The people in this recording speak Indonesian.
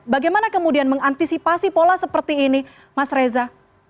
bagaimana kemudian mengantisipasi pola seperti ini mas reza